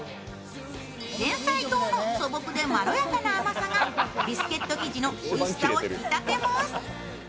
てんさい糖の素朴でまろやかな甘さがビスケット生地のおいしさを引き立てます。